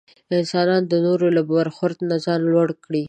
انسان د نورو له برخورد نه ځان لوړ کړي.